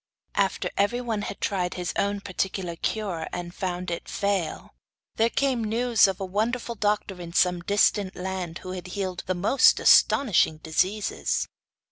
After everyone had tried his own particular cure, and found it fail, there came news of a wonderful doctor in some distant land who had healed the most astonishing diseases.